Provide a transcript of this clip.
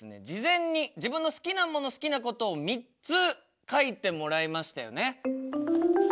事前に自分の好きなもの好きなことを３つ書いてもらいましたよね？